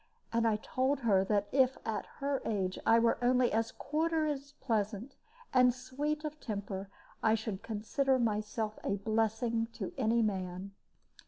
And I told her that if at her age I were only a quarter as pleasant and sweet of temper, I should consider myself a blessing to any man.